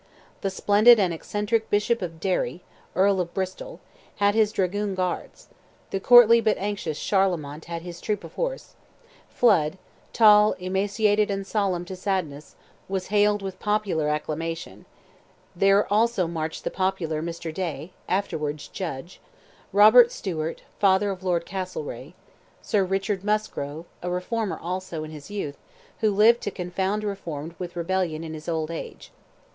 The splendid and eccentric Bishop of Derry (Earl of Bristol), had his dragoon guards; the courtly but anxious Charlemont had his troop of horse; Flood, tall, emaciated, and solemn to sadness, was hailed with popular acclamations; there also marched the popular Mr. Day, afterwards Judge; Robert Stewart, father of Lord Castlereagh; Sir Richard Musgrave, a reformer also, in his youth, who lived to confound reform with rebellion in his old age.